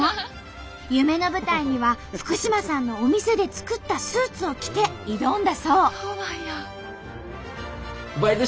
夢の舞台には福嶋さんのお店で作ったスーツを着て挑んだそう。